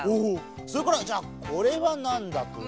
それからじゃあこれはなんだとおもう？